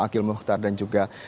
akhil muhtar dan juga